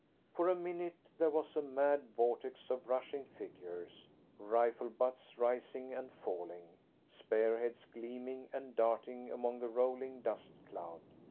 For a minute there was a mad vortex of rushing figures, rifle butts rising and falling, spear heads gleaming and darting among the rolling dust cloud.